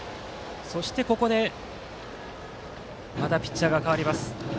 そしてここでまたピッチャーが代わります。